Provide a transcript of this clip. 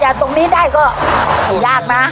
อย่างนี้ได้ก็ยากนะ